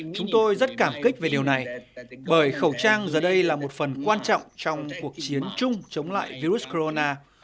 chúng tôi rất cảm kích về điều này bởi khẩu trang giờ đây là một phần quan trọng trong cuộc chiến chung chống lại virus corona